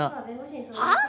はあ！？